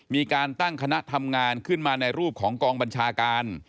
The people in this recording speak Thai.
มีการตั้งคณะทำงานขึ้นมาในรูปของกองบัญชาการ